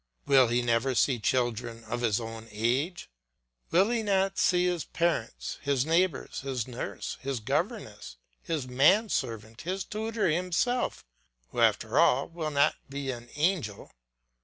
Will he never see children of his own age? Will he not see his parents, his neighbours, his nurse, his governess, his man servant, his tutor himself, who after all will not be an angel?